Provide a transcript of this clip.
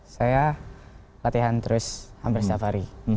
saya latihan terus hampir setiap hari